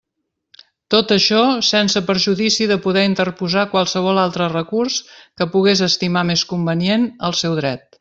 Tot això sense perjudici de poder interposar qualsevol altre recurs que pogués estimar més convenient al seu dret.